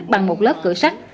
bằng một lớp cửa sắt